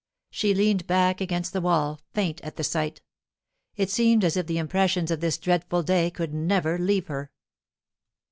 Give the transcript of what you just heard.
She leaned back against the wall, faint at the sight. It seemed as if the impressions of this dreadful day could never leave her!